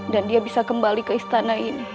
dan dia bisa kembali ke istana ini